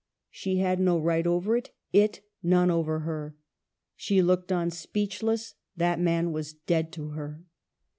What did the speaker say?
She had no right over it, it none over her. She looked on speechless ; that man was dead to her.